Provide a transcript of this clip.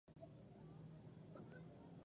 څرنګه چې د فيمنيزم ټولنيز خوځښتونه